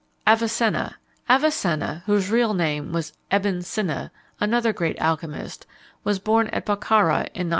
AVICENNA. Avicenna, whose real name was Ebn Cinna, another great alchymist, was born at Bokhara in 980.